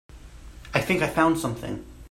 I think I found something.